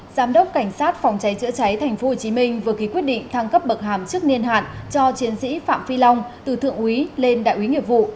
giám đốc cảnh sát phòng cháy chữa cháy tp hcm vừa ký quyết định thăng cấp bậc hàm trước niên hạn cho chiến sĩ phạm phi long từ thượng úy lên đại úy nghiệp vụ